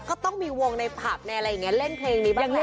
ก็ต้องมีวงในผับในอะไรอย่างนี้เล่นเพลงนี้บ้างแหละ